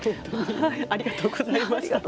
ありがとうございます。